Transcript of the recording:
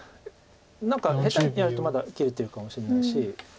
何か下手にやるとまだ切れてるかもしれないし。